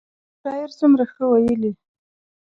یو شاعر څومره ښه ویلي.